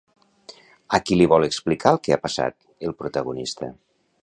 A qui li vol explicar el que ha passat, el protagonista?